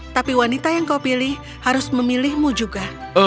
tapi wanita yang kau pilih harus memilihmu juga